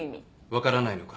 分からないのか？